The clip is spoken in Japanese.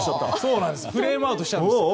フレームアウトしちゃうんです。